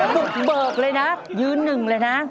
บุกเบิกเลยนะยืนหนึ่งเลยนะ